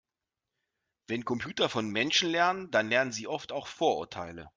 Wenn Computer von Menschen lernen, dann lernen sie oft auch Vorurteile.